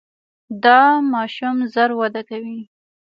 دا ماشوم ژر وده کوي.